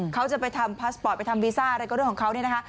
เขาจะไปทำพาสปอร์ตไปทำวีซ่าอะไรก็เรื่องของเขาเนี่ยนะคะ